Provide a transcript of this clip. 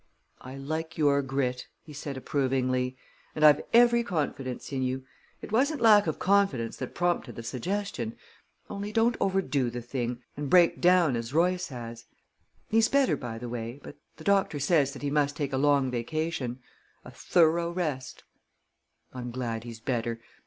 "I like your grit," he said approvingly, "and I've every confidence in you it wasn't lack of confidence that prompted the suggestion. Only don't overdo the thing, and break down as Royce has. He's better, by the way, but the doctor says that he must take a long vacation a thorough rest." "I'm glad he's better.